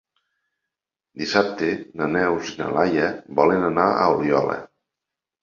Dissabte na Neus i na Laia volen anar a Oliola.